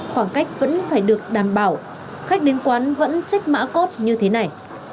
khoảng cách vẫn phải được đảm bảo khách đến quán vẫn trích mã cốt như thế này